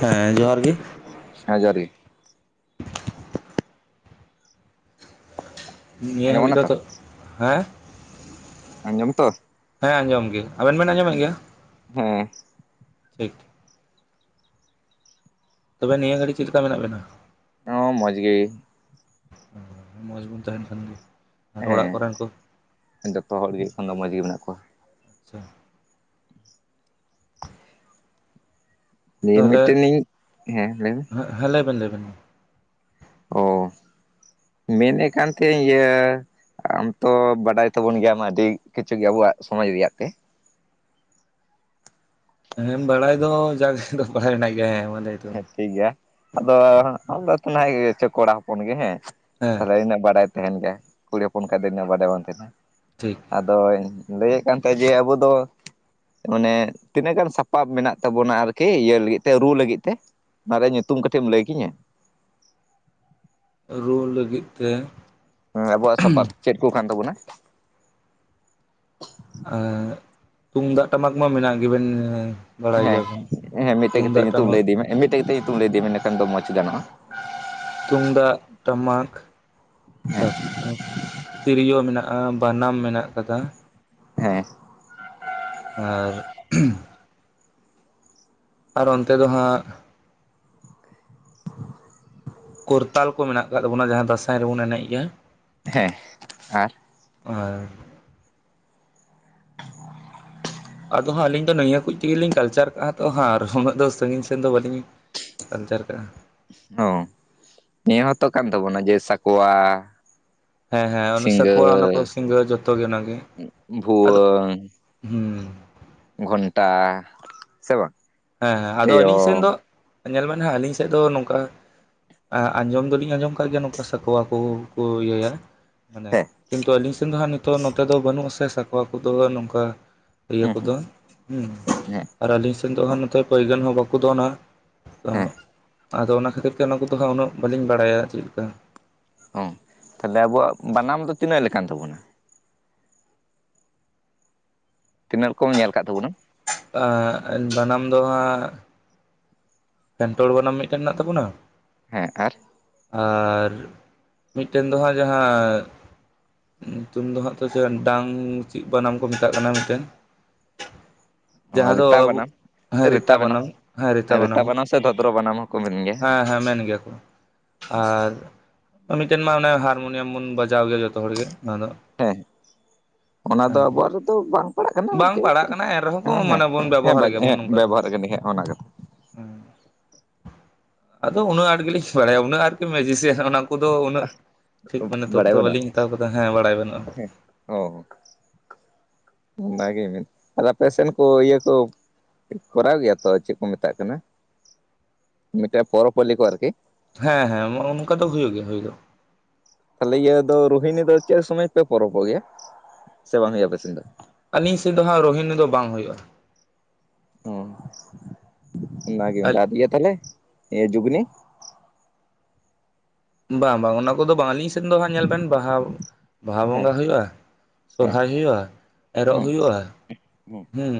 ᱦᱮᱸ ᱡᱚᱦᱟᱨ ᱜᱮ ᱦᱮᱸ ᱡᱚᱦᱟᱨ ᱜᱮ ᱱᱤᱭᱟᱹ ᱟᱸᱡᱚᱢ ᱦᱟᱹᱵᱤᱡ ᱠᱟᱱᱟ ᱫᱚ ᱛᱚ ᱦᱮᱸ ᱟᱸᱡᱚᱢ ᱛᱚ ᱦᱮᱸ ᱟᱸᱡᱚᱢ ᱜᱮ ᱟᱵᱮᱱ ᱵᱮᱱ ᱟᱸᱡᱚᱢᱮᱫ ᱜᱮᱭᱟ ᱦᱮᱸ ᱴᱷᱤᱠ ᱛᱚᱵᱮ ᱱᱤᱭᱟᱹ ᱜᱷᱟᱹᱲᱤᱡ ᱪᱤᱫ ᱞᱮᱠᱟ ᱢᱮᱱᱟᱜ ᱵᱮᱱᱟ ᱦᱚᱸ ᱢᱚᱡᱽ ᱜᱮ ᱢᱚᱸᱡᱽ ᱵᱚᱱ ᱛᱟᱦᱮᱱ ᱠᱷᱟᱱ ᱜᱮ ᱟᱨ ᱚᱲᱟᱜ ᱠᱚᱨᱮᱱ ᱠᱚ ᱦᱮᱸ ᱡᱚᱛᱚ ᱦᱚᱲ ᱜᱮ ᱮᱠᱷᱚᱱ ᱫᱚ ᱢᱚᱡᱽ ᱜᱮ ᱢᱮᱱᱟᱜ ᱠᱚᱣᱟ ᱟᱪᱪᱷᱟ ᱱᱤᱭᱟ. ᱛᱟᱦᱚᱞᱮ ᱢᱤᱫᱴᱮᱱᱤᱧ ᱦᱮᱸ ᱞᱟᱹᱭᱢᱮ ᱦᱮᱸ ᱞᱟᱹᱭᱵᱮᱱ ᱞᱟᱹᱭᱵᱮᱱ ᱚ ᱢᱮᱱᱮᱫ ᱠᱟᱱ ᱛᱟᱦᱮᱧ ᱤᱭᱟᱹ ᱟᱢᱛᱚ ᱵᱟᱰᱟᱭ ᱛᱟᱵᱚᱱ ᱜᱮᱭᱟᱢ ᱟᱹᱰᱤ ᱠᱤᱪᱷᱩ ᱜᱮ ᱟᱵᱚᱣᱟᱜ ᱥᱚᱢᱟᱡ ᱨᱮᱭᱟᱜ ᱛᱮ ᱦᱮᱸ ᱵᱟᱲᱟᱭ ᱫᱚ ᱡᱟᱜ ᱫᱚ ᱵᱟᱲᱟᱭ ᱢᱮᱱᱟᱜ ᱜᱮᱭᱟ ᱦᱮᱸᱮ ᱦᱮᱸ ᱴᱷᱤᱠ ᱜᱮᱭᱟ ᱟᱫᱚ ᱟᱢ ᱫᱚ ᱛᱚᱦᱱᱟᱜᱮ ᱠᱚᱲᱟ ᱦᱚᱯᱚᱱ ᱜᱮ ᱦᱮᱸ ᱦᱮᱸ ᱛᱟᱦᱚᱞᱮ ᱤᱱᱟᱹᱜ ᱵᱟᱰᱟᱭ ᱛᱟᱦᱮᱱ ᱜᱮᱭᱟ ᱠᱩᱲᱤ ᱦᱚᱯᱚᱱ ᱠᱷᱟᱡ ᱫᱚ ᱤᱱᱟᱹᱜ ᱵᱟᱰᱟᱭ ᱵᱟᱝ ᱛᱟᱦᱮᱱᱟ ᱴᱷᱤᱠ ᱟᱫᱚᱧ ᱞᱟᱹᱭᱮᱫ ᱠᱟᱱ ᱛᱟᱦᱮᱸ ᱡᱮ ᱟᱵᱚ ᱫᱚ ᱢᱟᱱᱮ ᱛᱤᱱᱟᱹᱜ ᱜᱟᱱ ᱥᱟᱯᱟᱵ ᱢᱮᱱᱟᱜ ᱛᱟᱵᱚᱱᱟ ᱟᱨᱠᱤ ᱤᱭᱟᱹ ᱞᱟᱹᱜᱤᱫ ᱛᱮ ᱨᱩ ᱞᱟᱹᱜᱤᱫ ᱛᱮ ᱚᱱᱟ ᱨᱮᱭᱟᱜ ᱧᱩᱛᱩᱢ ᱠᱟᱹᱴᱤᱡ ᱮᱢ ᱞᱟᱹᱭ ᱠᱤᱧᱟᱹ ᱨᱩ ᱞᱟᱹᱜᱤᱫ ᱛᱮ ᱦᱮᱸ ᱟᱹᱵᱩᱭᱟᱜ ᱥᱟᱯᱟᱯ ᱪᱮᱫ ᱠᱚ ᱠᱷᱟᱱ ᱛᱟᱵᱚᱱᱟ ᱮᱸ ᱛᱩᱢᱫᱟᱜ ᱴᱟᱢᱟᱠ ᱢᱟ ᱢᱮᱱᱟᱜ ᱜᱮᱵᱮᱱ ᱵᱟᱲᱟᱭ ᱦᱮᱸ ᱜᱮᱭᱟᱵᱮᱱ ᱦᱮᱸ ᱢᱤᱫᱴᱮᱡ ᱠᱟᱛᱮᱡ ᱛᱩᱢᱫᱟᱜ ᱧᱩᱛᱩᱢ ᱴᱟᱢᱟᱠ ᱞᱟᱹᱭ ᱤᱫᱤ ᱢᱮ ᱢᱤᱫᱴᱮᱡ ᱠᱟᱛᱮᱡ ᱧᱩᱛᱩᱢ ᱞᱟᱹᱭ ᱤᱫᱤ ᱢᱮ ᱤᱱᱟᱹᱠᱷᱟᱱ ᱫᱚ ᱢᱚᱸᱡᱽ ᱜᱟᱱᱚᱜᱼᱟ ᱛᱩᱢᱫᱟᱜ ᱴᱟᱢᱟᱠ ᱦᱮᱸ ᱛᱟᱯᱚᱨ ᱛᱤᱨᱤᱭᱳ ᱢᱮᱱᱟᱜᱼᱟ ᱵᱟᱱᱟᱢ ᱢᱮᱱᱟᱜ ᱟᱠᱟᱫᱟ ᱦᱮᱸ ᱟᱨ ᱟᱨ ᱚᱱᱛᱮ ᱫᱚ ᱦᱟᱸᱜ ᱠᱚᱨᱛᱟᱞ ᱠᱚ ᱢᱮᱱᱟᱜ ᱟᱠᱟᱫ ᱛᱟᱵᱚᱱᱟ, ᱡᱟᱦᱟᱸ ᱫᱟᱸᱥᱟᱭ ᱨᱮᱵᱚᱱ ᱮᱱᱮᱡ ᱜᱮᱭᱟ᱾ ᱦᱮᱸ ᱟᱨ ᱟᱨ ᱟᱫᱚ ᱦᱟᱸᱜ ᱟᱹᱞᱤᱧ ᱫᱚ ᱱᱤᱭᱟᱹ ᱠᱚ ᱛᱮᱜᱮᱞᱤᱧ ᱠᱟᱞᱪᱟᱨ ᱠᱟᱜᱼᱟ ᱛᱚ ᱦᱟᱜ ᱟᱨ ᱩᱱᱟᱹᱜ ᱫᱚ ᱥᱟᱺᱜᱤᱧ ᱥᱮᱱ ᱫᱚ ᱵᱟᱹᱞᱤᱧ ᱠᱟᱞᱪᱟᱨ ᱠᱟᱜ-ᱟ ᱚ ᱱᱤᱭᱟᱹ ᱦᱚᱸᱛᱚ ᱠᱟᱱ ᱛᱟᱵᱚᱱᱟ ᱡᱮ ᱥᱟᱠᱣᱟ ᱦᱮᱸ ᱦᱮᱸ ᱚᱱᱟ ᱥᱤᱸᱜᱟᱹ ᱥᱟᱠᱩᱣᱟ ᱚᱱᱟ ᱠᱚ ᱥᱤᱝᱜᱨᱟᱹ ᱡᱚᱛᱚ ᱜᱮ ᱚᱱᱟᱜᱮ, ᱟᱫᱚ ᱦᱮᱸ ᱜᱚᱱᱴᱟ ᱥᱮ ᱵᱟᱝ ᱦᱮᱸ ᱦᱮᱸ ᱟᱫᱚ ᱟᱹᱞᱤᱧ ᱥᱮᱱ ᱴᱮᱭᱚᱝ ᱫᱚ ᱧᱮᱞ ᱢᱮ ᱦᱟᱜ ᱟᱞᱤᱧ ᱥᱮᱫ ᱫᱚ ᱱᱚᱝᱠᱟ ᱟᱸᱡᱚᱢ ᱫᱚᱞᱤᱧ ᱟᱸᱡᱚᱢ ᱟᱠᱟᱫ ᱜᱮᱭᱟ ᱱᱚᱝᱠᱟ ᱥᱟᱠᱚᱣᱟ ᱠᱚᱠᱚ ᱤᱭᱟᱹᱭᱟ᱾ ᱢᱟᱱᱮ ᱦᱮᱸ ᱠᱤᱱᱛᱩ ᱟᱹᱞᱤᱧ ᱥᱮᱱ ᱫᱚ ᱦᱟᱸᱜ ᱱᱤᱛ ᱱᱚᱛᱮ ᱫᱚ ᱵᱟᱹᱱᱩᱜ ᱟᱥᱮ ᱥᱟᱠᱚᱣᱟ ᱠᱚᱫᱚ ᱱᱚᱝᱠᱟ᱾ ᱤᱭᱟᱹ ᱦᱩᱸ ᱦᱩᱸ ᱠᱚᱫᱚ ᱦᱮ ᱦᱮᱸ ᱟᱨ ᱟᱹᱞᱤᱧ ᱥᱮᱫ ᱫᱚ ᱦᱟᱜ ᱱᱚᱛᱮ ᱯᱟᱹᱭᱜᱟᱹᱱ ᱦᱚᱸ ᱵᱟᱠᱚ ᱫᱚᱱᱟ᱾ ᱚ ᱦᱮᱸ ᱟᱫᱚ ᱚᱱᱟ ᱠᱷᱟᱹᱛᱤᱨ ᱜᱮ ᱚᱱᱟ ᱠᱚᱫᱚ ᱦᱟᱸᱜ ᱩᱱᱟᱹᱜ ᱵᱟᱹᱞᱤᱧ ᱵᱟᱲᱟᱭᱟ ᱪᱮᱫᱞᱮᱠᱟ᱾ ᱦᱚ ᱛᱟᱦᱞᱮ ᱟᱵᱚᱣᱟᱜ ᱵᱟᱱᱟᱢ ᱫᱚ ᱛᱤᱱᱟᱹᱜ ᱞᱮᱠᱟᱱ ᱛᱟᱵᱚᱱᱟ? ᱛᱤᱱᱟᱹᱜ ᱨᱚᱠᱚᱢᱮᱢ ᱧᱮᱞ ᱟᱠᱟᱫ ᱛᱟᱵᱚᱱᱟ? ᱟᱸ... ᱵᱟᱱᱟᱢ ᱫᱚ ᱦᱟᱸᱜ ᱯᱮᱱᱴᱳᱲ ᱵᱟᱱᱟᱢ ᱢᱤᱫᱴᱮᱱ ᱢᱮᱱᱟᱜ ᱛᱟᱵᱚᱱᱟ᱾ ᱦᱮᱸ ᱟᱨ? ᱟᱨ ᱢᱤᱫᱴᱮᱱ ᱫᱚ ᱦᱟᱸᱜ ᱡᱟᱦᱟᱸ, ᱧᱩᱛᱩᱢ ᱫᱚ ᱦᱟᱜ ᱛᱚ ᱪᱮᱫ ᱰᱟᱝ ᱪᱮᱫ ᱵᱟᱱᱟᱢ ᱠᱚ ᱢᱮᱛᱟᱜ ᱠᱟᱱᱟ ᱢᱤᱫᱴᱮᱱ᱾ ᱚ... ᱡᱟᱦᱟᱸ ᱫᱚ ᱨᱮᱛᱟ ᱟᱵᱚ ᱵᱱᱟᱢ ᱦᱮᱸ ᱨᱮᱛᱟ ᱨᱤᱛᱟ ᱵᱟᱱᱟᱢ ᱦᱮᱸ ᱨᱤᱛᱟ ᱨᱮᱛᱟ ᱵᱟᱱᱟᱢ ᱥᱮ ᱥᱮ ᱵᱷᱚᱫᱨᱚ ᱵᱟᱱᱟᱢ ᱦᱚᱸᱠᱚ ᱢᱮᱱ ᱜᱮᱭᱟ᱾ ᱦᱮᱸ ᱦᱮᱸ ᱢᱮᱱ ᱜᱮᱭᱟ ᱠᱚ᱾ ᱟᱨ ᱢᱤᱫᱴᱮᱱ ᱢᱟ ᱚᱱᱮ ᱦᱟᱨᱢᱳᱱᱤᱭᱟᱢ ᱵᱚᱱ ᱵᱟᱡᱟᱣ ᱜᱮᱭᱟ ᱡᱚᱛᱚ ᱦᱚᱲᱜᱮ ᱚᱱᱟ ᱫᱚ᱾ ᱦᱮᱸ ᱚᱱᱟ ᱫᱚ ᱟᱵᱚᱣᱟᱜ ᱨᱮᱫᱚ ᱵᱟᱝ ᱯᱟᱲᱟᱜ ᱠᱟᱱᱟ ᱵᱟᱝ ᱟᱨᱠᱤ, ᱯᱟᱲᱟᱜ ᱠᱟᱱᱟ ᱮᱱ ᱨᱮᱦᱚᱸ ᱠᱚ ᱢᱟᱱᱮ ᱵᱚᱱ ᱦᱮᱸ ᱵᱮᱵᱚᱦᱟᱨ ᱜᱮᱭᱟᱵᱚᱱ ᱦᱮᱸ ᱱᱚᱝᱠᱟ ᱫᱚ ᱵᱮᱵᱚᱦᱟᱨ ᱠᱟᱱᱟ ᱦᱼᱼ ᱚᱱᱟ ᱠᱟᱛᱮᱼᱼ ᱦᱮᱸ ᱟᱫᱚ ᱩᱱᱟᱹᱜ ᱟᱸᱴ ᱜᱮᱞᱤᱧ ᱵᱟᱲᱟᱭᱟ ᱩᱱᱟᱹᱜ ᱟᱨᱠᱤ ᱢᱮᱡᱤᱥᱤᱭᱟᱱ ᱚᱱᱟ ᱩᱱᱠᱩ ᱫᱚ ᱩᱱᱟᱹᱜ ᱴᱷᱤᱠ ᱢᱟᱱᱮ ᱵᱟᱲᱟᱭ ᱛᱚᱛᱛᱷᱚ ᱵᱟᱹᱱᱩᱜᱼᱟ ᱵᱟᱹᱞᱤᱧ ᱦᱟᱛᱟᱣ ᱟᱠᱟᱫᱟ ᱦᱮᱸ ᱵᱟᱲᱟᱭ ᱵᱟᱹᱱᱩᱜᱼᱟ᱾ ᱦᱮᱸ ᱚ ᱚᱱᱟᱜᱮ ᱢᱮᱱ ᱟᱨ ᱟᱯᱮ ᱥᱮᱱ ᱠᱚ ᱤᱭᱟᱹ ᱠᱚ ᱠᱚᱨᱟᱣ ᱜᱮᱭᱟ ᱛᱚ ᱪᱮᱫ ᱠᱚ ᱢᱮᱛᱟᱜ ᱠᱟᱱᱟ, ᱢᱤᱫᱴᱮᱱ ᱯᱚᱨᱚᱵᱽ ᱯᱟᱹᱞᱤ ᱠᱚ ᱟᱨᱠᱤ᱾ ᱦᱮᱸ ᱦᱮᱸ ᱚᱱᱠᱟ ᱫᱚ ᱦᱩᱭᱩᱜ ᱜᱮ ᱦᱩᱭ ᱫᱚ᱾ ᱛᱟᱦᱚᱞᱮ ᱤᱭᱟᱹ ᱫᱚ ᱨᱳᱦᱤᱱᱤ ᱫᱚ ᱪᱮᱫ ᱥᱚᱢᱚᱭ ᱯᱮ ᱯᱚᱨᱚᱵᱚᱜ ᱜᱮᱭᱟ? ᱥᱮ ᱵᱟᱝ ᱦᱩᱭᱩᱜᱼᱟ ᱟᱯᱮ ᱥᱮᱱ ᱫᱚ? ᱟᱹᱞᱤᱧ ᱥᱮᱫ ᱫᱚ ᱦᱟᱸᱜ ᱨᱳᱦᱤᱱ ᱫᱚ ᱵᱟᱝ ᱦᱩᱭᱩᱜᱼᱟ᱾ ᱚ ᱚᱱᱟ ᱜᱮ ᱤᱭᱟᱹ ᱛᱟᱦᱚᱞᱮ ᱡᱩᱜᱩᱜᱽᱱᱤ? ᱵᱟᱝ ᱵᱟᱝ ᱚᱱᱟ ᱠᱚᱫᱚ ᱵᱟᱝ ᱟᱹᱞᱤᱧ ᱥᱮᱱ ᱫᱚ ᱦᱟᱜ ᱧᱮᱞ ᱵᱮᱱ ᱵᱟᱦᱟ ᱵᱟᱦᱟ ᱦᱮᱸ ᱦᱮᱸ ᱵᱚᱸᱜᱟ ᱦᱩᱭᱩᱜᱼᱟ, ᱦᱮᱸ ᱥᱚᱨᱦᱟᱭ ᱦᱩᱭᱩᱜᱼᱟ, ᱮᱨᱚᱜ ᱦᱮᱸ ᱦᱩᱭᱩᱜᱼᱟ, ᱦᱮᱸ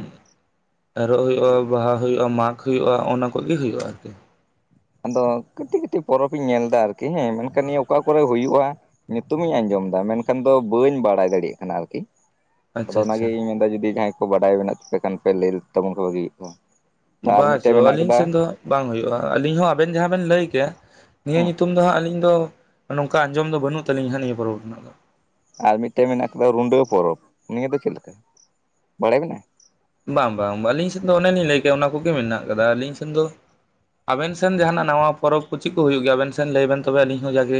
ᱮᱨᱚᱜ ᱦᱩᱭᱩᱜᱼᱟ, ᱵᱟᱦᱟ ᱦᱩᱭᱩᱜᱼᱟ, ᱢᱟᱜᱽ ᱦᱩᱭᱩᱜᱼᱟ, ᱚᱱᱟ ᱠᱚᱜᱮ ᱦᱩᱭᱩᱜᱼᱟ ᱟᱨᱠᱤ᱾ ᱟᱫᱚ ᱠᱟᱹᱴᱤᱡ ᱠᱟᱹᱴᱤᱡ ᱯᱚᱨᱚᱵᱽ ᱤᱧ ᱧᱮᱞ ᱮᱫᱟ ᱟᱨᱠᱤ ᱦᱮᱸ ᱢᱮᱱᱠᱷᱟᱱ ᱱᱤᱭᱟᱹ ᱚᱠᱟ ᱠᱚᱨᱮ ᱦᱩᱭᱩᱜᱼᱟ᱾ ᱧᱩᱛᱩᱢ ᱤᱧ ᱟᱸᱡᱚᱢ ᱫᱟ ᱢᱮᱱᱠᱷᱟᱱ ᱫᱚ ᱵᱟᱹᱧ ᱵᱟᱲᱟᱭ ᱫᱟᱲᱮᱭᱟᱜ ᱠᱟᱱᱟ ᱟᱨᱠᱤ᱾ ᱟᱫᱚ ᱟᱪᱪᱷᱟ ᱚᱱᱟᱜᱮ ᱟᱪᱪᱷᱟ ᱤᱧ ᱢᱮᱱᱫᱟ ᱡᱩᱫᱤ ᱡᱟᱦᱟᱸᱭ ᱠᱚ ᱵᱟᱰᱟᱭ ᱢᱮᱱᱟᱜ ᱛᱟᱯᱮ ᱠᱷᱟᱱ ᱯᱮ ᱞᱟᱹᱭ ᱛᱟᱵᱚᱱ ᱯᱮ ᱵᱷᱟᱹᱜᱤ ᱦᱩᱭ ᱠᱚᱣᱟ᱾ ᱵᱟ ᱪᱚ ᱟᱹᱞᱤᱧ ᱥᱮᱱ ᱫᱚ, ᱵᱟᱝ ᱦᱩᱭᱩᱜᱼᱟ ᱟᱹᱞᱤᱧ ᱦᱚᱸ ᱟᱵᱮᱱ ᱡᱟᱦᱟᱸ ᱵᱮᱱ ᱞᱟᱹᱭ ᱠᱮᱭᱟ ᱱᱤᱭᱟᱹ ᱦᱮᱸ ᱧᱩᱛᱩᱢ ᱫᱚ ᱦᱟᱸᱜ ᱟᱹᱞᱤᱧ ᱫᱚ, ᱱᱚᱝᱠᱟ ᱟᱸᱡᱚᱢ ᱫᱚ ᱵᱟᱹᱱᱩᱜ ᱛᱟᱹᱞᱤᱧ ᱦᱟᱜ ᱱᱤᱭᱟᱹ ᱯᱚᱨᱚᱵᱽ ᱨᱮᱱᱟᱜ ᱫᱚ᱾ ᱟᱨ ᱢᱤᱫᱴᱮᱱ ᱢᱮᱱᱟᱜ ᱟᱠᱟᱫᱟ ᱨᱩᱱᱰᱟᱹ ᱯᱚᱨᱚᱵᱽ, ᱱᱤᱭᱟᱹ ᱫᱚ ᱪᱮᱫ ᱞᱮᱠᱟ ᱵᱟᱲᱟᱭ ᱢᱮᱱᱟᱜᱼᱟ? ᱵᱟᱝ ᱵᱟᱝ ᱟᱹᱞᱤᱧ ᱴᱷᱮᱱ ᱫᱚ ᱚᱱᱮᱞᱤᱧ ᱞᱟᱹᱭ ᱠᱮᱜ ᱚᱱᱟ ᱠᱚᱜᱮ ᱢᱮᱱᱟᱜ ᱟᱠᱟᱫᱟ, ᱟᱹᱞᱤᱧ ᱥᱮᱱ ᱫᱚ ᱟᱵᱮᱱ ᱥᱮᱱ ᱡᱟᱦᱟᱱᱟᱜ ᱱᱟᱣᱟ ᱯᱚᱨᱚᱵᱽ ᱠᱚ ᱪᱮᱫ ᱠᱚ ᱦᱩᱭᱩᱜ ᱜᱮᱭᱟ ᱟᱵᱮᱱ ᱥᱮᱱ ᱞᱟᱹᱭ ᱵᱮᱱ ᱛᱚᱵᱮ ᱟᱹᱞᱤᱧ ᱦᱚᱸ ᱡᱟᱜᱮ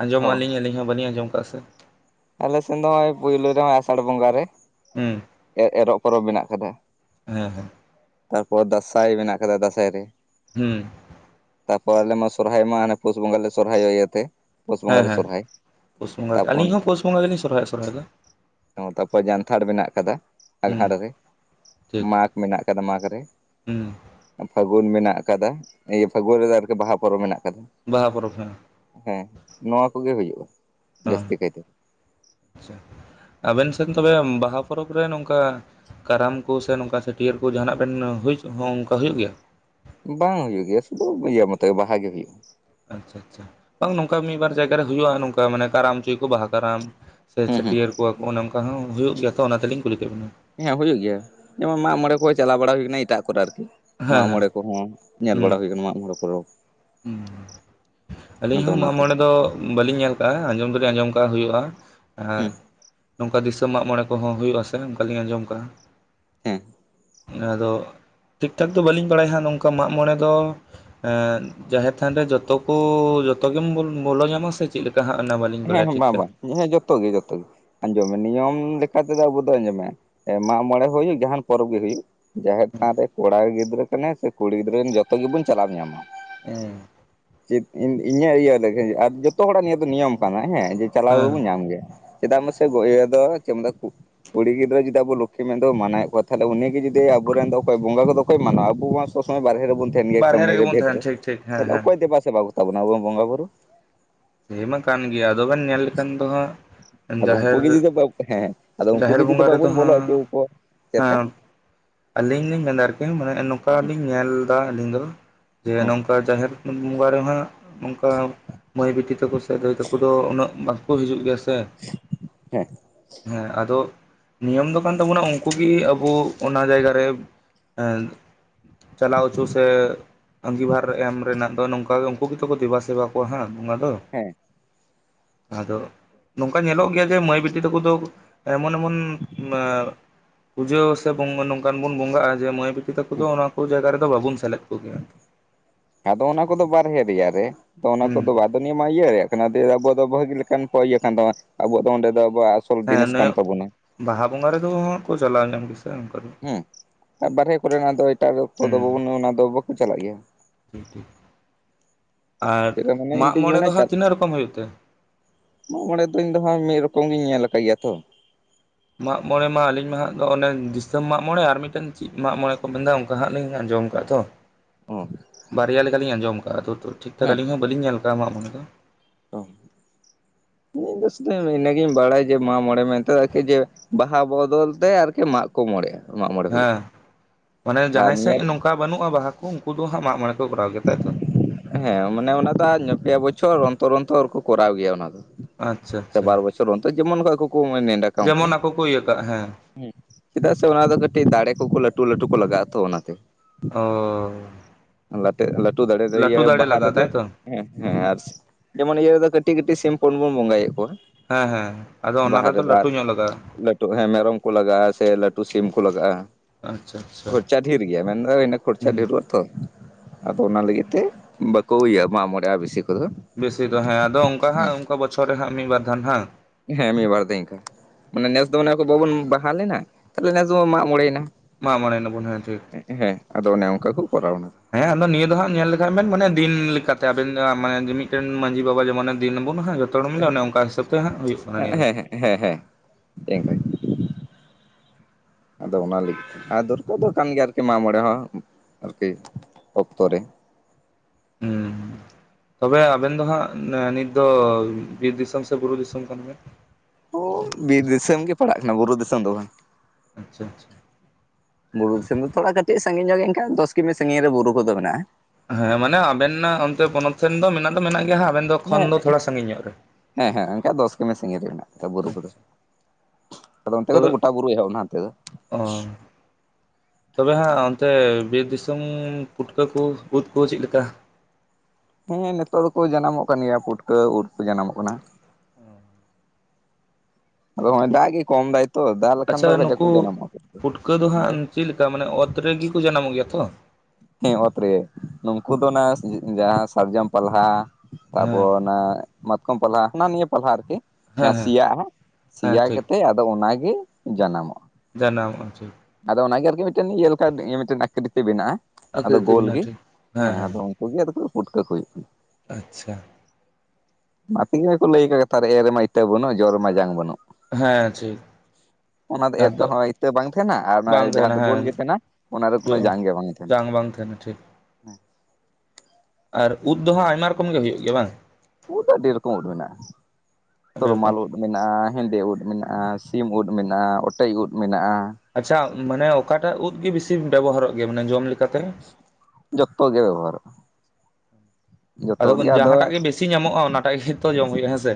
ᱟᱸᱡᱚᱢ ᱚ ᱟᱹᱞᱤᱧ ᱟᱹᱞᱤᱧ ᱦᱚᱸ ᱵᱟᱞᱤᱧ ᱟᱸᱡᱚᱢ ᱟᱠᱟᱫᱼᱟ ᱥᱮ᱾ ᱟᱞᱮ ᱥᱮᱱ ᱫᱚ ᱯᱩᱭᱞᱳ ᱨᱮ ᱟᱥᱟᱲ ᱵᱚᱸᱜᱟ ᱨᱮ ᱦᱮᱸ᱾ ᱮ ᱮᱨᱚᱜ ᱯᱚᱨᱚᱵᱽ ᱢᱮᱱᱟᱜ ᱟᱠᱟᱫᱟ᱾ ᱦᱮᱸ ᱦᱮᱸ ᱛᱟᱨᱯᱚᱨ ᱫᱟᱸᱥᱟᱭ ᱢᱮᱱᱟᱜ ᱟᱠᱟᱫᱟ ᱫᱟᱸᱥᱟᱭ ᱨᱮ᱾ ᱦᱮᱸ ᱛᱟᱯᱚᱨ ᱟᱞᱮ ᱢᱟ ᱥᱚᱨᱦᱟᱭ ᱢᱟ ᱦᱟᱱᱮ ᱯᱩᱥ ᱵᱚᱸᱜᱟ ᱞᱮ ᱥᱚᱨᱦᱟᱭᱚᱜ ᱤᱭᱟᱹ ᱤᱭᱟᱛᱮ᱾ ᱦᱮᱸ ᱦᱮᱸ ᱯᱩᱥ ᱵᱚᱸᱜᱟ ᱜᱮ, ᱛᱟᱨᱯᱚᱨ ᱟᱹᱞᱤᱧ ᱦᱚᱸ ᱯᱩᱥ ᱵᱚᱸᱜᱟ ᱜᱮᱞᱤᱧ ᱥᱚᱨᱦᱟᱭᱚᱜ ᱥᱚᱨᱦᱟᱭ ᱫᱚ᱾ ᱛᱟᱯᱚᱨ ᱡᱟᱱᱛᱷᱟᱲ ᱢᱮᱱᱟᱜ ᱠᱟᱫᱟ᱾ ᱟᱸᱜᱷᱟᱲ ᱦᱩᱸ ᱨᱮ ᱴᱷᱤᱠ ᱢᱟᱜᱽ ᱢᱮᱱᱟᱜ ᱠᱟᱫᱟ, ᱢᱟᱜᱽ ᱨᱮ᱾ ᱦᱩᱸ ᱯᱷᱟᱹᱜᱩᱱ ᱢᱮᱱᱟᱜ ᱟᱠᱟᱫᱟ ᱤᱭᱟᱹ ᱯᱷᱟᱹᱜᱩᱱ ᱨᱮᱫᱚ ᱟᱨᱠᱤ ᱵᱟᱦᱟ ᱯᱚᱨᱚᱵᱽ ᱢᱮᱱᱟᱜ ᱠᱟᱫᱟ᱾ ᱵᱟᱦᱟ ᱯᱚᱨᱚᱵᱽ ᱦᱮᱸ᱾ ᱦᱮᱸ ᱱᱚᱶᱟ ᱠᱚᱜᱮ ᱦᱩᱭᱩᱜᱼᱟ᱾ ᱚ ᱡᱟᱹᱥᱛᱤ ᱠᱟᱭᱛᱮ ᱟᱪᱪᱷᱟ ᱟᱵᱮᱱ ᱥᱮᱫ ᱛᱚᱵᱮ ᱵᱟᱦᱟ ᱯᱚᱨᱚᱵᱽ ᱨᱮ ᱱᱚᱝᱠᱟ ᱠᱟᱨᱟᱢ ᱠᱚ ᱥᱮ ᱱᱚᱝᱠᱟ ᱪᱷᱟᱹᱴᱭᱟᱹᱨ ᱠᱚ ᱡᱟᱦᱟᱱᱟᱜ ᱵᱮᱱ ᱦᱩᱭ ᱦᱚᱸ ᱚᱱᱠᱟ ᱦᱩᱭᱩᱜ ᱜᱮᱭᱟ? ᱵᱟᱝ ᱦᱩᱭᱩᱜ ᱜᱮᱭᱟ ᱥᱩᱫᱩ ᱤᱭᱟᱹ ᱢᱚᱛᱚ ᱵᱟᱦᱟ ᱜᱮ ᱦᱩᱭᱩᱜᱼᱟ᱾ ᱟᱪᱪᱷᱟ ᱟᱪᱪᱷᱟ ᱵᱟᱝ ᱱᱚᱝᱠᱟ ᱢᱤᱫ ᱵᱟᱨ ᱡᱟᱭᱜᱟ ᱨᱮ ᱦᱩᱭᱩᱜᱼᱟ ᱱᱚᱝᱠᱟ ᱢᱟᱱᱮ ᱠᱟᱨᱟᱢᱪᱚᱭ ᱠᱚ ᱵᱟᱦᱟ ᱠᱟᱨᱟᱢ ᱥᱮ ᱦᱩᱸ ᱦᱩᱸ ᱪᱷᱟᱹᱴᱭᱟᱹᱨ ᱠᱚᱣᱟ ᱠᱚ ᱚᱱᱮ ᱚᱝᱠᱟ ᱦᱚᱸ ᱦᱩᱭᱩᱜ ᱜᱮᱭᱟ ᱛᱚ ᱚᱱᱟ ᱛᱮᱞᱤᱧ ᱠᱩᱞᱤ ᱠᱮᱫ ᱵᱮᱱᱟ᱾ ᱦᱮᱸ ᱦᱩᱭᱩᱜ ᱜᱮᱭᱟ ᱡᱮᱢᱚᱱ ᱢᱟᱜ ᱢᱚᱬᱮ ᱠᱚ ᱪᱟᱞᱟᱣ ᱵᱟᱲᱟ ᱦᱩᱭ ᱠᱟᱱᱟ ᱮᱴᱟᱜ ᱠᱚᱨᱮ ᱟᱨᱠᱤ᱾ ᱦᱮᱸ ᱢᱟᱜ ᱦᱮᱸ ᱢᱚᱬᱮ ᱠᱚᱦᱚᱸ ᱧᱮᱞ ᱦᱩᱸ ᱵᱟᱲᱟ ᱦᱩᱭ ᱠᱟᱱᱟ ᱢᱟᱜ ᱢᱚᱬᱮ ᱯᱚᱨᱚᱵᱽ᱾ ᱦᱩᱸ ᱟᱹᱞᱤᱧ ᱟᱫᱚ ᱦᱚᱸ ᱢᱟᱜ ᱚᱱᱟᱛᱮ ᱢᱚᱬᱮ ᱫᱚ ᱵᱟᱹᱞᱤᱧ ᱧᱮᱞ ᱠᱟᱜᱼᱟ, ᱟᱸᱡᱚᱢ ᱫᱚᱞᱤᱧ ᱟᱸᱡᱚᱢ ᱠᱟᱜᱼᱟ ᱦᱩᱭᱩᱜᱼᱟ, ᱮ ᱦᱮᱸ ᱱᱚᱝᱠᱟ ᱫᱤᱥᱚᱢ ᱢᱟᱜ ᱢᱚᱬᱮ ᱠᱚᱦᱚᱸ ᱦᱩᱭᱩᱜᱼᱟᱥᱮ ᱚᱱᱠᱟᱞᱤᱧ ᱟᱸᱡᱚᱢ ᱠᱟᱜᱼᱟ᱾ ᱦᱮᱸ ᱟᱫᱚ ᱴᱷᱤᱠᱴᱷᱟᱠ ᱫᱚ ᱵᱟᱹᱞᱤᱧ ᱵᱟᱲᱟᱭᱟ ᱦᱟᱜ ᱱᱚᱝᱠᱟ ᱢᱟᱜᱢᱚᱬᱮ ᱫᱚ ᱮᱸ ᱡᱟᱦᱮᱨ ᱛᱷᱟᱱ ᱨᱮ ᱡᱚᱛᱚ ᱠᱚ ᱡᱚᱛᱚ ᱜᱮᱢ ᱵᱚᱞᱚ ᱧᱟᱢᱟ ᱥᱮ ᱪᱮᱫᱞᱮᱠᱟ? ᱚᱱᱟ ᱦᱟᱸᱜ ᱢᱟᱞᱮ ᱦᱮᱸ ᱦᱮᱸ ᱵᱟᱝ ᱵᱟᱝ ᱦᱮᱸ ᱡᱚᱛᱚ ᱜᱮ ᱡᱚᱛᱚ ᱜᱮ᱾ ᱟᱸᱡᱚᱢ ᱢᱮ ᱱᱤᱭᱚᱢ ᱞᱮᱠᱟᱛᱮᱫᱚ ᱟᱵᱚ ᱫᱚ ᱟᱸᱡᱚᱢ ᱢᱮ ᱢᱟᱜ ᱢᱚᱬᱮ ᱦᱩᱭᱩᱜ ᱡᱟᱦᱟᱱ ᱯᱚᱨᱚᱵᱽ ᱜᱮ ᱦᱩᱭᱩᱜ᱾ ᱡᱟᱦᱮᱨ ᱛᱷᱟᱱ ᱨᱮ ᱠᱚᱲᱟ ᱜᱤᱫᱽᱨᱟᱹ ᱠᱟᱱᱮᱭ ᱥᱮ ᱠᱩᱲᱤ ᱜᱤᱫᱽᱨᱟᱹ ᱡᱚᱛᱚ ᱜᱮᱵᱚᱱ ᱪᱟᱞᱟᱣ ᱧᱟᱢᱟ᱾ ᱦᱮᱸ ᱪᱮᱫ ᱤᱧᱟᱹᱜ ᱤᱭᱟᱹ ᱞᱮ ᱡᱚᱛᱚ ᱦᱚᱲᱟᱜ ᱱᱤᱭᱟᱹ ᱫᱚ ᱱᱤᱭᱚᱢ ᱠᱟᱱᱟ ᱦᱮᱸ ᱡᱮ ᱪᱟᱞᱟᱣ ᱫᱚᱵᱚᱱ ᱧᱟᱢ ᱜᱮᱭᱟ᱾ ᱪᱮᱫᱟᱜ ᱢᱟᱥᱮ ᱜᱚ ᱤᱭᱟᱹ ᱫᱚ ᱪᱮᱢᱮᱛᱟᱜ ᱠᱩ ᱠᱩᱲᱤ ᱜᱤᱫᱽᱨᱟᱹ ᱪᱮᱫᱟᱜ ᱟᱵᱚ ᱞᱩᱠᱷᱤ ᱢᱮᱱ ᱛᱮᱵᱚ ᱢᱟᱱᱟᱣ ᱮᱫᱠᱚᱣᱟ ᱛᱟᱦᱞᱮ ᱩᱱᱤ ᱜᱮ ᱡᱩᱫᱤ ᱟᱵᱚᱨᱮᱱ ᱫᱚ ᱚᱠᱚᱭ ᱵᱚᱸᱜᱟ ᱠᱚᱫᱚ ᱢᱟᱱᱟᱣᱟ ᱟᱵᱚ ᱥᱚᱵᱽ ᱥᱚᱢᱚᱭ ᱵᱟᱨᱦᱮ ᱨᱮᱵᱚᱱ ᱛᱟᱦᱮᱱ ᱜᱮᱭᱟ ᱵᱟᱨᱦᱮ ᱠᱟᱹᱢᱤ ᱨᱮᱜᱮ ᱨᱮ ᱵᱚᱱ ᱵᱷᱮᱫ ᱛᱟᱦᱮᱱ ᱨᱮ ᱴᱷᱤᱠ ᱴᱷᱤᱠ ᱦᱮᱸ ᱛᱟᱦᱞᱮ ᱦᱮᱸ ᱚᱠᱚᱭ ᱫᱮᱵᱟ ᱥᱮᱵᱟ ᱠᱚᱱᱛᱟᱵᱚᱱᱟ ᱟᱵᱚ ᱨᱮᱱ ᱵᱚᱸᱜᱟ ᱵᱩᱨᱩ? ᱥᱮᱢᱟ ᱠᱟᱱ ᱜᱮᱭᱟ ᱟᱫᱚ ᱵᱮᱱ ᱧᱮᱞ ᱞᱮᱠᱷᱟᱱ ᱫᱚᱦᱟᱸᱜ᱾ ᱟᱫᱚ ᱩᱝᱠᱩ ᱜᱮ ᱡᱩᱫᱤ ᱦᱮᱸ ᱟᱫᱚ ᱩᱝᱠᱩ ᱡᱟᱦᱮᱨ ᱜᱮ ᱡᱩᱫᱤ ᱵᱚᱸᱜᱟ ᱨᱮᱫᱚ ᱵᱟᱵᱚᱱ ᱵᱚᱞᱚ ᱦᱟᱸᱜ ᱦᱚᱪᱚ ᱠᱚᱣᱟ᱾ ᱪᱮᱫ ᱞᱮᱠᱟ? ᱟᱞᱤᱧ ᱞᱤᱧ ᱢᱮᱱᱫᱟ ᱟᱨᱠᱤ ᱢᱟᱱᱮ ᱱᱚᱝᱠᱟ ᱦᱮᱸ ᱞᱤᱧ ᱧᱮᱞ ᱮᱫᱟ ᱟᱞᱤᱧ ᱫᱚ ᱡᱮ ᱱᱚᱝᱠᱟ ᱡᱟᱦᱮᱨ ᱵᱚᱸᱜᱟ ᱨᱮᱦᱟᱸᱜ ᱱᱚᱝᱠᱟ ᱢᱟᱹᱭ ᱵᱤᱴᱤ ᱛᱟᱠᱚ ᱥᱮ ᱫᱟᱹᱭ ᱛᱟᱠᱚ ᱫᱚ ᱩᱱᱟᱹᱜ ᱵᱟᱠᱚ ᱦᱤᱡᱩᱜ ᱜᱮᱭᱟ ᱥᱮ᱾ ᱦᱮᱸ ᱦᱮᱸ ᱟᱫᱚ ᱱᱤᱭᱚᱢ ᱫᱚ ᱠᱟᱱ ᱛᱟᱵᱚᱱᱟ ᱩᱝᱠᱩᱩᱜ ᱜᱤ ᱟᱵᱚ ᱚᱱᱟ ᱡᱟᱭᱜᱟ ᱨᱮ ᱮᱸ ᱪᱟᱞᱟᱣ ᱚᱪᱚ ᱥᱮ ᱟᱺᱜᱤᱵᱷᱟᱨ ᱮᱢ ᱨᱮᱱᱟᱜ ᱫᱚ ᱱᱚᱝᱠᱟ ᱜᱮ ᱩᱝᱠᱩ ᱜᱮᱛᱚ ᱠᱚ ᱫᱮᱵᱟ ᱥᱮᱵᱟ ᱠᱚᱣᱟ ᱦᱮᱸ ᱵᱚᱸᱜᱟ ᱫᱚ᱾ ᱦᱮᱸ ᱟᱫᱚ ᱱᱚᱝᱠᱟ ᱧᱮᱞᱚᱜ ᱜᱮᱭᱟ ᱡᱮ ᱢᱟᱹᱭ ᱵᱤᱴᱤ ᱛᱟᱠᱚ ᱫᱚ ᱮᱢᱚᱱ ᱮᱢᱚᱱ ᱮ ᱯᱩᱡᱟᱹ ᱥᱮ ᱵᱚᱝ ᱱᱚᱝᱠᱟᱱ ᱵᱚᱱ ᱵᱚᱸᱜᱟᱜᱼᱟ ᱡᱮ ᱢᱟᱹᱭ ᱵᱤᱴᱤ ᱛᱟᱠᱩ ᱫᱚ ᱚᱱᱟ ᱠᱚ ᱡᱟᱭᱜᱟ ᱨᱮᱫᱚ ᱵᱟᱵᱚᱱ ᱥᱮᱞᱮᱫ ᱠᱚᱜᱮᱭᱟ᱾ ᱟᱫᱚ ᱚᱱᱟ ᱠᱚᱫᱚ ᱵᱟᱨᱦᱮ ᱨᱮᱭᱟᱜ ᱨᱮ ᱫᱚ ᱚᱱᱟ ᱦᱩᱸ ᱠᱚᱫᱚ ᱵᱟᱫ ᱱᱤᱭᱟᱹ ᱢᱟ ᱤᱭᱟᱹ ᱨᱮᱭᱟᱜ ᱠᱟᱱᱟ ᱫᱮ ᱟᱵᱚ ᱫᱚ ᱵᱷᱟᱹᱜᱤ ᱞᱮᱠᱟᱱ ᱯᱚ ᱤᱭᱟᱹ ᱠᱟᱱ ᱛᱟᱢᱟ ᱟᱵᱚᱣᱟᱜ ᱫᱚ ᱚᱸᱰᱮ ᱟᱵᱟᱥ ᱦᱮᱸ ᱱᱟᱭᱚᱜ ᱵᱟᱦᱟ ᱵᱚᱸᱜᱟ ᱨᱮᱫᱚ ᱦᱟᱸᱜ ᱠᱚ ᱪᱟᱞᱟᱣ ᱧᱟᱢ ᱫᱤᱥᱮ ᱚᱝᱠᱟ ᱫᱚ᱾ ᱦᱩᱸ ᱵᱟᱨᱦᱮ ᱠᱚᱨᱮᱱᱟᱜ ᱫᱚ ᱮᱴᱟᱜ ᱚᱠᱛᱚ ᱫᱚ ᱦᱩᱸ ᱵᱟᱩᱱ ᱚᱱᱟ ᱫᱚ ᱵᱟᱠᱩ ᱪᱟᱞᱟᱜ ᱜᱤᱭᱟ᱾ ᱟᱨ ᱪᱮᱫ ᱢᱟᱱᱮ ᱤᱧ ᱢᱟᱜ ᱫᱩᱧ ᱢᱚᱬᱮ ᱫᱚ ᱢᱮᱱᱟ ᱦᱟᱸᱜ ᱪᱟᱜ ᱛᱤᱱᱟᱹᱜ ᱨᱚᱠᱚᱢ ᱦᱩᱭᱩᱜ ᱛᱮ? ᱢᱟᱜ ᱢᱚᱬᱮ ᱫᱚ ᱤᱧ ᱫᱚ ᱦᱟᱸᱜ ᱢᱤᱜ ᱨᱚᱠᱚᱢ ᱜᱤᱧ ᱧᱮᱞ ᱠᱟᱜ ᱜᱮᱭᱟ ᱛᱚ᱾ ᱢᱟᱜ ᱢᱚᱬᱮ ᱢᱟ ᱟᱹᱞᱤᱧ ᱢᱟ ᱦᱟᱸᱜ ᱫᱚ ᱚᱱᱮ ᱫᱤᱥᱚᱢ ᱢᱟᱜᱽ ᱢᱚᱬᱮ ᱟᱨ ᱢᱤᱴᱮᱱ ᱪᱤᱜ ᱢᱟᱜ ᱢᱚᱬᱮ ᱠᱚ ᱢᱮᱱ ᱮᱫᱟ ᱠᱟ ᱦᱟᱸᱜ ᱞᱤᱧ ᱟᱸᱡᱚᱢ ᱠᱟᱜ ᱛᱚ᱾ ᱦᱮᱸ ᱵᱟᱨᱭᱟ ᱞᱮᱠᱟᱞᱤᱧ ᱟᱸᱡᱚᱢ ᱠᱟᱜᱼᱟ, ᱛᱚ ᱛᱚ ᱴᱷᱤᱠ ᱴᱷᱟᱠ ᱟᱹᱞᱤᱧ ᱦᱚᱸ ᱵᱟᱹᱞᱤᱧ ᱧᱮᱞ ᱠᱟᱜᱼᱟ ᱢᱟᱜ ᱢᱚᱬᱮ ᱫᱚ᱾ ᱤᱧ ᱫᱚ ᱥᱩᱫᱩ ᱤᱱᱟᱹᱜᱤᱧ ᱵᱟᱲᱟᱭᱟ ᱡᱮ ᱢᱟᱜ ᱢᱚᱬᱮ ᱢᱮᱱᱛᱮ ᱡᱮ ᱵᱟᱦᱟ ᱵᱚᱫᱚᱞ ᱛᱮ ᱟᱨᱠᱤ ᱢᱟᱜ ᱠᱚ ᱢᱚᱬᱮᱜᱼᱟ ᱢᱟᱜ ᱢᱚᱬᱮ ᱦᱮᱸ ᱦᱩᱭᱩᱜᱼᱟ᱾ ᱢᱟᱱᱮ ᱟᱨ ᱡᱟᱦᱟᱸᱭ ᱥᱮᱜ ᱱᱤᱭᱟᱹ ᱱᱚᱝᱠᱟ ᱵᱟᱹᱱᱩᱜᱼᱟ ᱵᱟᱦᱟ ᱠᱚ ᱩᱱᱠᱩ ᱫᱚ ᱦᱟᱸᱜ ᱢᱟᱜ ᱢᱚᱬᱮ ᱠᱚ ᱠᱚᱨᱟᱣ ᱜᱮᱭᱟ ᱛᱟᱭᱛᱚ? ᱦᱮᱸ ᱢᱟᱱᱮ ᱚᱱᱟ ᱫᱚ ᱯᱮ ᱵᱚᱪᱷᱚᱨ ᱚᱱᱛᱚᱨ ᱚᱱᱛᱚᱨ ᱠᱚ ᱠᱚᱨᱟᱣ ᱜᱮᱭᱟ ᱚᱱᱟ ᱫᱚ᱾ ᱟᱪᱪᱷᱟ ᱟᱪᱪᱷᱟ ᱥᱚᱨᱚᱱ ᱛᱮ ᱡᱮᱢᱚᱱ ᱟᱠᱩ ᱠᱩ ᱱᱮᱰᱟ ᱡᱮᱢᱚᱱ ᱟᱠᱚ ᱠᱚ ᱤᱭᱟᱹ ᱠᱟᱜ ᱦᱮᱸ᱾ ᱦᱩᱸ ᱪᱮᱫᱟᱜ ᱥᱮ ᱚᱱᱟ ᱫᱚ ᱠᱟᱹᱴᱤᱡ ᱫᱟᱲᱮ ᱠᱚᱠᱚ ᱞᱟᱹᱴᱩ ᱞᱟᱹᱴᱩ ᱠᱚ ᱞᱟᱜᱟᱜᱼᱟ ᱛᱚ ᱚᱱᱟᱛᱮ ᱾ ᱚᱻ ᱞᱟᱴᱮᱜ ᱞᱟᱹᱴᱩ ᱫᱟᱲᱮ ᱫᱚ ᱤᱭᱟᱹ ᱫᱟᱲᱮ ᱵᱟᱦᱟᱜ ᱨᱮ ᱞᱟᱜᱟᱜᱼᱟ ᱫᱚ ᱛᱟᱭᱛᱚ ᱦᱮᱸ ᱦᱮᱸ ᱟᱨᱟᱥ ᱡᱮᱢᱚᱱ ᱤᱭᱟᱹ ᱨᱮᱫᱚ ᱠᱟᱹᱴᱤᱜ ᱠᱟᱹᱴᱤᱜ ᱥᱤᱢ ᱯᱩᱱ ᱵᱚᱱ ᱵᱚᱸᱜᱟᱭᱮᱜ ᱠᱚᱣᱟ᱾ ᱦᱮᱸ ᱦᱮᱸ ᱟᱫᱚ ᱚᱱᱟ ᱵᱟᱦᱟ ᱨᱮᱫᱚ ᱟᱨ ᱞᱟᱹᱴᱩ ᱧᱚᱜ ᱞᱟᱜᱟᱜᱼᱟ᱾ ᱞᱟᱹᱴᱩ ᱦᱮᱸ ᱢᱮᱨᱚᱢ ᱠᱚ ᱞᱟᱜᱟᱜᱼᱟ ᱥᱮ ᱞᱟᱹᱴᱩ ᱥᱤᱢ ᱠᱚ ᱞᱟᱜᱟᱜᱼᱟ᱾ ᱟᱪᱪᱷᱟ ᱟᱪᱪᱷᱟ ᱠᱷᱚᱨᱪᱟ ᱰᱷᱮᱨ ᱜᱮᱭᱟ ᱢᱮᱱᱫᱚ ᱤᱱᱟᱹ ᱠᱷᱚᱨᱪᱟ ᱦᱩᱸ ᱰᱷᱮᱨᱚᱜ-ᱟᱛᱚ ᱟᱫᱚ ᱚᱱᱟ ᱞᱟᱹᱜᱤᱫ ᱛᱮ ᱵᱟᱠᱩ ᱤᱭᱟᱹ ᱢᱟᱜᱢᱚᱬᱮᱜᱼᱟ ᱵᱮᱥᱤ ᱠᱚᱫᱚ᱾ ᱵᱮᱥᱤ ᱫᱚ ᱦᱮᱸ ᱟᱫᱚ ᱚᱝᱠᱟ ᱦᱮᱸ ᱦᱟᱸᱜ ᱚᱝᱠᱟ ᱵᱚᱪᱷᱚᱨ ᱨᱮ ᱦᱟᱜ ᱢᱤᱜ ᱵᱟᱨ ᱫᱷᱟᱱ ᱦᱟᱸ᱾ ᱦᱮᱸ ᱢᱤᱫ ᱵᱟᱨ ᱫᱤᱱ ᱠᱟ ᱢᱟᱱᱮ ᱱᱮᱥ ᱫᱚ ᱢᱟᱱᱮ ᱵᱟᱵᱩᱱ ᱵᱟᱦᱟ ᱞᱮᱱᱟ ᱛᱟᱞᱮ ᱱᱮᱥ ᱫᱚᱵᱚᱱ ᱢᱟᱜ ᱢᱚᱬᱮᱭᱱᱟ᱾ ᱢᱟᱜ ᱢᱚᱬᱮ ᱱᱟᱵᱚᱱ ᱦᱮᱸ ᱴᱷᱤᱠ ᱦᱮᱸ ᱟᱫᱚ ᱚᱱᱮ ᱚᱝᱠᱟ ᱠᱚ ᱠᱚᱨᱟᱣ ᱱᱟ᱾ ᱦᱮᱸ ᱟᱫᱚ ᱱᱤᱭᱟᱹ ᱫᱚ ᱦᱟᱸᱜ ᱧᱮᱞ ᱞᱮᱠᱷᱟᱱ ᱵᱮᱱ ᱢᱟᱱᱮ ᱫᱤᱱ ᱞᱮᱠᱟᱛᱮ ᱟᱵᱤᱱ ᱢᱤᱫᱴᱮᱱ ᱢᱟᱺᱡᱷᱤ ᱵᱟᱵᱟ ᱡᱮᱢᱚᱱ ᱮ ᱫᱤᱱ ᱟᱵᱚᱱ ᱱᱟᱦᱟᱜ ᱛᱚᱲᱚᱢ ᱫᱚ ᱚᱱᱮ ᱚᱝᱠᱟ ᱦᱤᱥᱟᱹᱵᱛᱮ ᱦᱟᱸᱜ ᱦᱩᱭᱩᱜ ᱠᱟᱱᱟ ᱦᱮᱸ ᱱᱤᱭᱟᱹ ᱫᱚ᱾ ᱦᱮᱸ ᱦᱮᱸ ᱦᱮᱸ [unintelligible] ᱟᱫᱚ ᱚᱱᱟ ᱞᱟᱹᱜᱤᱫ ᱛᱮ ᱟᱫᱚᱨ ᱠᱚ ᱫᱚ ᱠᱟᱱ ᱜᱮᱭᱟ ᱟᱨᱠᱤ ᱢᱟᱜ ᱢᱚᱬᱮ ᱦᱚᱸ ᱟᱨᱠᱤ ᱚᱠᱛᱚ ᱨᱮ ᱦᱩᱸ [inaudible] ᱛᱚᱵᱮ ᱟᱵᱮᱱ ᱫᱚ ᱦᱟᱸᱜ ᱱᱤᱛ ᱫᱚ ᱵᱤᱨ ᱫᱤᱥᱚᱢ ᱥᱮ ᱵᱩᱨᱩ ᱫᱤᱥᱚᱢ ᱠᱟᱱᱟ ᱵᱤᱱ ᱵᱤᱨ ᱫᱤᱥᱚᱢ ᱜᱮ ᱯᱟᱲᱟᱜ ᱠᱟᱱᱟ ᱵᱩᱨᱩ ᱫᱤᱥᱚᱢ ᱫᱚ ᱵᱟᱝ ᱟᱪᱪᱷᱟ ᱟᱪᱪᱷᱟ ᱵᱩᱨᱩ ᱫᱤᱥᱚᱢ ᱫᱚ ᱛᱷᱚᱲᱟ ᱠᱟᱹᱴᱤᱡ ᱥᱟᱹᱜᱤᱧ ᱧᱚᱜ ᱮᱱᱠᱷᱟᱱ ᱫᱚᱥ ᱠᱤᱢᱤ ᱥᱟᱹᱜᱤᱧ ᱨᱮ ᱵᱩᱨᱩ ᱠᱚᱫᱚ ᱢᱮᱱᱟᱜᱼᱟ ᱾ ᱦᱮᱸ ᱢᱟᱱᱮ ᱟᱵᱮᱱ ᱚᱱᱛᱮ ᱯᱚᱱᱚᱛ ᱥᱮᱱ ᱫᱚ ᱢᱮᱱᱟᱜ ᱫᱚ ᱢᱮᱱᱟᱜ ᱜᱮᱭᱟ ᱟᱵᱮᱱ ᱫᱚ ᱠᱷᱚᱱ ᱦᱮᱸ ᱫᱚ ᱛᱷᱚᱲᱟ ᱥᱟᱹᱜᱤᱧ ᱧᱚᱜ ᱨᱮ ᱾ ᱦᱮᱸ ᱦᱮᱸ ᱚᱱᱠᱟ ᱫᱚᱥ ᱠᱤᱢᱤ ᱥᱟᱹᱜᱤᱧ ᱨᱮ ᱢᱮᱱᱟᱜ ᱟᱠᱟᱫᱟ ᱵᱩᱨᱩ ᱠᱚᱫᱚ ᱟᱪᱪᱷᱟ ᱟᱫᱚ ᱚᱱᱛᱮ ᱠᱚᱡ ᱛᱚᱵᱮ ᱫᱚ ᱜᱩᱴᱟ ᱵᱩᱨᱩ ᱮᱦᱚᱵ ᱱᱟ ᱚᱱᱛᱮ ᱫᱚ ᱚ ᱛᱚᱵᱮ ᱦᱟᱸᱜ ᱚᱱᱛᱮ ᱵᱤᱨ ᱫᱤᱥᱚᱢ ᱯᱩᱴᱠᱟᱹ ᱠᱚ ᱩᱫ ᱠᱩ ᱪᱮᱜ ᱞᱮᱠᱟ ᱾ ᱦᱮᱸ ᱱᱤᱛᱚᱜ ᱫᱚᱠᱚ ᱡᱟᱱᱟᱢᱚᱜ ᱠᱟᱱ ᱜᱮᱭᱟ ᱯᱩᱴᱠᱟᱹ ᱩᱫ ᱠᱚ ᱡᱟᱱᱟᱢᱚᱜ ᱠᱟᱱᱟ ᱾ ᱟᱫᱚ ᱫᱟᱜ ᱜᱤ ᱠᱚᱢ ᱫᱟᱭ ᱛᱚ ᱫᱟᱜ ᱞᱮᱠᱷᱟᱱ ᱟᱪᱪᱷᱟ ᱫᱚ ᱠᱟᱡᱟᱠ ᱠᱚ ᱡᱟᱱᱟᱢᱚᱜ-ᱟ ᱯᱩᱴᱠᱟᱹ ᱪᱮᱜ ᱞᱮᱠᱟ ᱢᱟᱱᱮ ᱚᱛ ᱨᱮᱜᱮ ᱠᱚ ᱡᱟᱱᱟᱢᱚᱜ ᱜᱮᱭᱟ ᱛᱚ ᱾ ᱮᱸ ᱚᱛᱨᱮ ᱱᱩᱝᱠᱩ ᱫᱚ ᱚᱱᱟ ᱡᱟᱦᱟᱸ ᱥᱟᱨᱡᱚᱢ ᱯᱟᱞᱦᱟ ᱾ ᱛᱟᱯᱚᱨ ᱦᱮᱸ ᱚᱱᱟ ᱢᱟᱛᱠᱚᱢ ᱯᱟᱞᱦᱟ ᱦᱟᱱᱟ ᱱᱤᱭᱟᱹ ᱯᱟᱞᱦᱟ ᱟᱨᱠᱤ ᱾ ᱦᱮᱸ ᱡᱟᱦᱟᱸ ᱦᱮᱸ ᱥᱤᱭᱟᱜᱼᱟ ᱦᱮᱸ ᱥᱤᱭᱟ ᱴᱷᱤᱠ ᱠᱟᱛᱮᱫ ᱟᱫᱚ ᱚᱱᱟᱜᱮ ᱡᱟᱱᱟᱢᱚᱜᱼᱟ ᱾ [unintelligible] ᱟᱫᱚ ᱚᱱᱟᱜᱮ ᱟᱨᱠᱤ ᱤᱭᱟᱹ ᱞᱮᱠᱟ ᱟᱠᱨᱤᱛᱤ ᱵᱮᱱᱟᱜᱼᱟ ᱟᱫᱚ ᱟᱠᱨᱤᱛᱤ ᱜᱳᱞ ᱜᱤ ᱵᱮᱱᱟᱜᱼᱟ ᱴᱷᱤᱠ ᱦᱮᱸ ᱟᱫᱚ [unintelligible] ᱯᱩᱴᱠᱟᱹ ᱠᱚ ᱦᱩᱭᱩᱜ ᱠᱟᱱᱟ ᱟᱪᱪᱷᱟ ᱚᱱᱟ ᱛᱮᱜᱮ ᱠᱚ ᱞᱟᱹᱭ ᱠᱟᱫᱟ ᱛᱟᱦᱚᱞᱮ ᱮᱨ ᱨᱮᱢᱟ ᱤᱛᱟᱹ ᱵᱟᱹᱱᱩᱜ ᱡᱚ ᱨᱮᱢᱟ ᱡᱟᱝ ᱵᱟᱹᱱᱩᱜ ᱦᱮᱸ ᱴᱷᱤᱠ ᱾ ᱚᱱᱟ ᱫᱚ ᱮᱨ ᱛᱮᱦᱚᱸ ᱤᱛᱟᱹ ᱵᱟᱝ ᱛᱟᱦᱮᱱᱟ ᱟᱨ ᱚᱱᱟ ᱵᱟᱝ ᱡᱟᱦᱟᱸ ᱛᱟᱦᱮᱱᱟ ᱫᱚ ᱜᱳᱞ ᱜᱮ ᱦᱮᱸ ᱛᱟᱦᱮᱸᱱᱟ ᱚᱱᱟᱨᱮ ᱠᱳᱱᱚ ᱡᱚᱜᱼᱟ ᱡᱟᱝ ᱜᱮ ᱵᱟᱝ ᱛᱟᱦᱮᱸᱱᱟ ᱾ ᱡᱟᱝ ᱵᱟᱝ ᱛᱟᱦᱮᱸᱱᱟ ᱴᱷᱤᱠ ᱾ ᱦᱮᱸ ᱟᱨ ᱩᱫ ᱫᱚᱦᱟᱸ ᱟᱭᱢᱟ ᱨᱚᱠᱚᱢ ᱜᱮ ᱦᱩᱭᱩᱜ ᱜᱮᱭᱟ ᱵᱟᱝ ᱩᱫ ᱟᱹᱰᱤ ᱨᱚᱠᱚᱢ ᱩᱫ ᱢᱮᱱᱟᱜᱼᱟ ᱟᱹᱰᱤ ᱨᱚᱠᱚᱢ ᱛᱚᱨᱚᱢᱟᱞ ᱩᱫ ᱩᱫ ᱢᱮᱱᱟᱜᱼᱟ ᱦᱮᱸᱫᱮ ᱩᱫ ᱢᱮᱱᱟᱜᱼᱟ ᱥᱤᱢ ᱩᱫ ᱢᱮᱱᱟᱜᱼᱟ ᱚᱴᱮᱡ ᱩᱫ ᱢᱮᱱᱟᱜᱼᱟ ᱾ ᱟᱪᱪᱷᱟ ᱢᱟᱱᱮ ᱚᱠᱟᱴᱟᱜ ᱩᱫ ᱜᱮ ᱵᱤᱥᱤ ᱵᱮᱵᱚᱦᱟᱨᱚᱜ ᱜᱮᱭᱟ ᱢᱟᱱᱮ ᱡᱚᱢ ᱞᱮᱠᱟᱛᱮ ᱡᱚᱛᱚ ᱜᱮ ᱵᱮᱵᱚᱦᱟᱨᱚᱜ ᱟᱫᱚ ᱡᱟᱦᱟᱸᱴᱟᱜ ᱜᱮ ᱵᱤᱥᱤ ᱧᱟᱢᱚᱜᱼᱟ ᱚᱱᱟᱴᱟᱜ ᱜᱮᱛᱚ ᱡᱚᱢ ᱦᱩᱭᱩᱜᱼᱟ ᱦᱮᱸ ᱥᱮ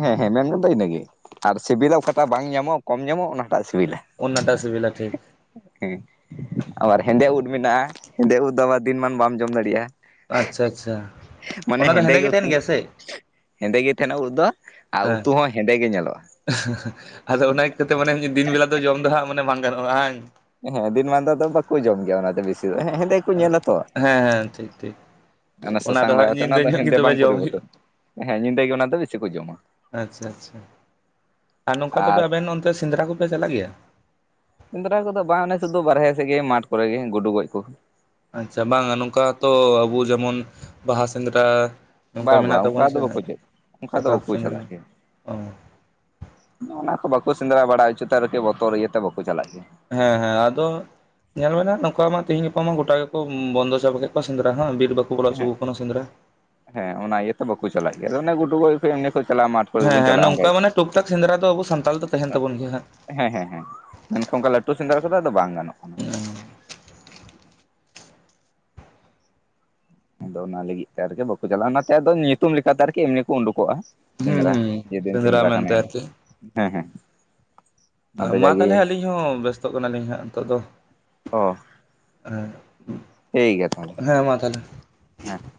ᱦᱮᱸ ᱦᱮᱸ ᱢᱮᱱ ᱢᱩᱫᱫᱟ ᱤᱱᱟᱹᱜᱮ ᱟᱨ ᱥᱤᱵᱤᱞᱟ ᱚᱠᱟᱴᱟᱜ ᱵᱟᱝ ᱧᱟᱢᱚᱜᱼᱟ ᱠᱚᱢ ᱧᱟᱢᱚᱜᱼᱟ ᱚᱱᱟᱴᱟᱜ ᱥᱤᱵᱤᱞᱟ ᱾ ᱚᱱᱟ ᱴᱟᱜ ᱥᱤᱵᱤᱞᱟ ᱴᱷᱤᱠ ᱦᱮ ᱟᱵᱟᱨ ᱦᱮᱸᱫᱮ ᱩᱫ ᱢᱮᱱᱟᱜᱼᱟ ᱦᱮᱸᱫᱮ ᱩᱫ ᱫᱚ ᱟᱵᱟᱨ ᱫᱤᱱᱢᱟᱱ ᱵᱟᱢ ᱡᱚᱢ ᱫᱟᱲᱮᱭᱟᱜᱼᱟ ᱾ ᱟᱪᱪᱷᱟ ᱟᱪᱪᱷᱟ ᱾ ᱚᱱᱟ ᱫᱚ ᱦᱮᱸᱫᱮ ᱜᱮ ᱛᱟᱦᱮᱱ ᱜᱮᱭᱟ ᱥᱮ ᱾ ᱦᱮᱸᱫᱮ ᱜᱮ ᱛᱟᱦᱮᱱᱟ ᱩᱫ ᱫᱚ ᱟᱨ ᱦᱮᱸ ᱩᱛᱩ ᱦᱚᱸ ᱦᱮᱸᱫᱮ ᱜᱮ ᱧᱮᱞᱚᱜᱼᱟ ᱾ ᱟᱫᱚ ᱚᱱᱟ ᱤᱠᱟᱹᱛᱮ ᱢᱟᱱᱮ ᱫᱤᱱ ᱵᱮᱞᱟ ᱫᱚ ᱡᱚᱢ ᱫᱚ ᱦᱟᱜ ᱢᱟᱱᱮ ᱵᱟᱝ ᱜᱟᱱᱚᱜᱼᱟ ᱵᱟᱝ ᱦᱮᱸ ᱫᱤᱱ ᱢᱟᱱ ᱫᱚ ᱵᱟᱠᱚ ᱡᱚᱢ ᱜᱮᱭᱟ ᱚᱱᱟᱛᱮ ᱵᱮᱥᱤ ᱫᱚ ᱦᱮᱸ ᱠᱚ ᱧᱮᱞᱟ ᱛᱚ ᱦᱮᱸ ᱦᱮᱸ ᱴᱷᱤᱠ ᱴᱷᱤᱠ ᱾ ᱚᱱᱟ ᱥᱟᱥᱟᱝ ᱞᱟᱜᱟᱣ ᱠᱟᱛᱮ ᱚᱱᱟ ᱫᱚ ᱦᱮᱸᱫᱮ ᱵᱟᱝ ᱡᱚᱢ ᱦᱩᱭᱩᱜᱼᱟ ᱯᱚᱨᱤᱵᱚᱨᱛᱚᱱ ᱦᱮᱸ ᱧᱤᱫᱟᱹ ᱜᱮ ᱚᱱᱟ ᱫᱚ ᱵᱤᱥᱤ ᱠᱚ ᱡᱚᱢᱟ ᱾ ᱟᱪᱪᱷᱟ ᱟᱪᱪᱷᱟ ᱾ ᱟᱨ ᱱᱚᱝᱠᱟ ᱛᱮ ᱟᱵᱮᱱ ᱚᱱᱛᱮ ᱥᱮᱸᱫᱽᱨᱟ ᱠᱚᱯᱮ ᱪᱟᱞᱟᱜ ᱜᱮᱭᱟ ᱾ ᱥᱮᱸᱫᱽᱨᱟ ᱠᱚᱫᱚ ᱵᱟᱝ ᱚᱱᱮ ᱥᱩᱫᱷᱩ ᱵᱟᱨᱦᱮ ᱥᱮᱫ ᱜᱮ ᱢᱟᱴ ᱠᱚᱨᱮᱜ ᱜᱮ ᱜᱩᱰᱩ ᱜᱚᱡ ᱠᱚ ᱾ ᱟᱪᱪᱷᱟ ᱾ ᱵᱟᱝᱟ ᱱᱚᱝᱠᱟ ᱛᱚ ᱟᱵᱚ ᱡᱮᱢᱚᱱ ᱵᱟᱦᱟ ᱥᱮᱸᱫᱽᱨᱟ ᱵᱟ ᱱᱚᱝᱠᱟ ᱢᱮᱱᱟᱜ ᱵᱟᱝ ᱚᱱᱠᱟ ᱛᱟᱵᱚᱱᱟ ᱫᱚ ᱥᱮ ᱵᱟᱠᱚ ᱪᱮᱫ ᱚᱱᱠᱟ ᱫᱚ ᱥᱟᱠᱨᱟᱛ ᱵᱟᱠᱚ ᱪᱟᱞᱟᱜ ᱥᱮᱸᱫᱽᱨᱟ ᱜᱮᱭᱟ ᱾ ᱚ ᱚᱱᱟ ᱠᱚ ᱵᱟᱠᱚ ᱥᱮᱸᱫᱽᱨᱟ ᱵᱟᱲᱟᱭ ᱦᱚᱪᱚᱛᱮ ᱟᱨᱠᱤ ᱵᱚᱛᱚᱨ ᱤᱭᱟᱹᱛᱮ ᱵᱟᱠᱚ ᱪᱟᱞᱟᱜ ᱜᱮᱭᱟ ᱾ ᱦᱮᱸ ᱦᱮᱸ ᱟᱫᱚ ᱧᱮᱞ ᱢᱮ ᱱᱚᱝᱠᱟ ᱢᱟ ᱛᱮᱦᱤᱧ ᱜᱟᱯᱟ ᱜᱚᱴᱟ ᱜᱮᱠᱚ ᱵᱚᱱᱫᱚ ᱪᱟᱵᱟ ᱠᱮᱫ ᱠᱚᱣᱟ ᱥᱮᱸᱫᱽᱨᱟ ᱦᱚᱸ ᱵᱤᱨ ᱵᱟᱠᱚ ᱵᱚᱞᱚ ᱦᱚᱪᱚ ᱦᱮᱸ ᱟᱠᱚ ᱠᱟᱱᱟ ᱥᱮᱸᱫᱽᱨᱟ ᱦᱮᱸ ᱚᱱᱟ ᱤᱭᱟᱹᱛᱮ ᱵᱟᱠᱚ ᱪᱟᱞᱟᱜ ᱜᱮᱭᱟ ᱚᱱᱮ ᱜᱩᱰᱩ ᱜᱚᱡ ᱮᱢᱱᱤ ᱠᱚ ᱪᱟᱞᱟᱣᱟ ᱢᱟᱴ ᱦᱮᱸ ᱦᱮᱸ ᱱᱚᱝᱠᱟ ᱢᱟ ᱴᱩᱠ ᱴᱟᱠ ᱥᱮᱸᱫᱽᱨᱟ ᱫᱚ ᱟᱵᱚ ᱥᱟᱱᱛᱟᱞ ᱫᱚ ᱛᱟᱦᱮᱱ ᱛᱟᱵᱚᱱ ᱜᱮᱭᱟ ᱦᱟᱸᱜ ᱾ ᱜᱮ᱾ ᱦᱮᱸ ᱦᱮᱸ ᱦᱮᱸ ᱢᱮᱱᱠᱷᱟᱱ ᱚᱱᱠᱟ ᱞᱟᱹᱴᱩ ᱥᱮᱸᱫᱽᱨᱟ ᱠᱚᱫᱚ ᱟᱫᱚ ᱵᱟᱝ ᱜᱟᱱᱚᱜ ᱠᱟᱱᱟ ᱾ ᱟᱫᱚ ᱚᱱᱟ ᱞᱟᱹᱜᱤᱫ ᱛᱮ ᱟᱨᱠᱤ ᱵᱟᱠᱚ ᱪᱟᱞᱟᱜᱼᱟ ᱚᱱᱟᱛᱮ ᱧᱩᱛᱩᱢ ᱞᱮᱠᱟᱛᱮ ᱟᱨᱠᱤ ᱮᱢᱱᱤ ᱠᱚ ᱩᱰᱩᱠᱚᱜᱼᱟ ᱾ ᱦᱩᱸ ᱥᱮᱸᱫᱽᱨᱟ ᱦᱩᱸ ᱡᱮᱫᱤᱱ ᱥᱮᱸᱫᱽᱨᱟ ᱠᱟᱱᱟ ᱢᱮᱱᱛᱮ ᱦᱮᱸ ᱟᱨᱠᱤ ᱦᱮᱸ ᱟᱫᱚ ᱢᱟ ᱡᱟᱜᱮ ᱛᱟᱦᱚᱞᱮ ᱟᱹᱞᱤᱧ ᱦᱚᱸ ᱵᱮᱥᱛᱚᱜ ᱠᱟᱱᱟᱞᱤᱧ ᱦᱟᱸᱜ ᱱᱤᱛᱚᱜ ᱫᱚ ᱾ ᱚ [unintelligible] ᱴᱷᱤᱠ ᱜᱮᱭᱟ ᱛᱟᱦᱚᱞᱮ ᱦᱮᱸ ᱢᱟ ᱛᱟᱦᱚᱞᱮ ᱦᱮᱸ ᱾